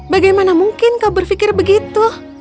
bagaimana mungkin kau berpikir begitu